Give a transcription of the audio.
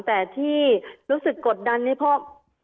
แต่ที่รู้สึกกดดันนี่เพราะ